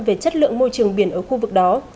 về chất lượng môi trường biển ở khu vực đó